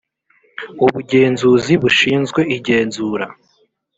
ubugenzuzi bushinzwe igenzura